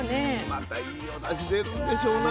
またいいの出してるんでしょうな